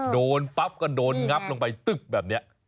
โดนปั๊บก็โดนงับลงไปตึ๊บแบบนี้